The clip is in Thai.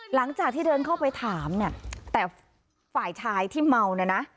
หลังจากที่เดินเข้าไปถามเนี่ยแต่ฝ่ายชายที่เมาเนี่ยนะ